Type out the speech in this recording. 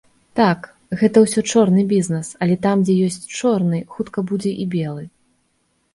Так, гэта ўсё чорны бізнес, але там дзе ёсць чорны, хутка будзе і белы.